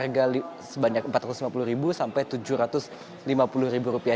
harga sebanyak empat ratus lima puluh sampai tujuh ratus lima puluh rupiah